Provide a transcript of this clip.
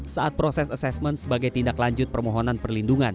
saat proses asesmen sebagai tindak lanjut permohonan perlindungan